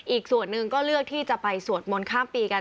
อีกส่วนหนึ่งก็เลือกที่จะไปสวดมนต์ข้ามปีกัน